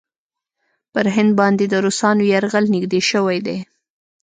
پر هند باندې د روسانو یرغل نېږدې شوی دی.